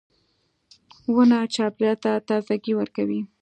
• ونه چاپېریال ته تازهګۍ ورکوي.